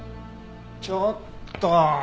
ちょっと！